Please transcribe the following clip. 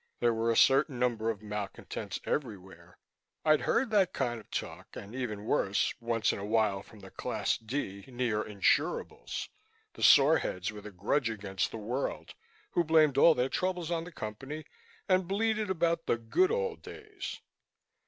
There were a certain number of malcontents anywhere. I'd heard that kind of talk, and even worse, once in a while from the Class D near uninsurables, the soreheads with a grudge against the world who blamed all their troubles on the Company and bleated about the "good old days."